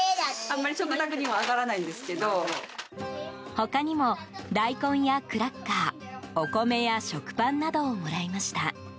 他にも大根やクラッカーお米や食パンなどをもらいました。